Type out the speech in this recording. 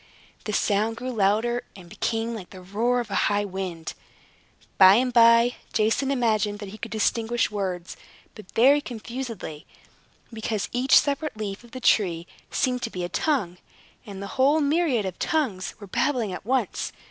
The sound grew louder, and became like the roar of a high wind. By and by, Jason imagined that he could distinguish words, but very confusedly, because each separate leaf of the tree seemed to be a tongue, and the whole myriad of tongues were babbling at once.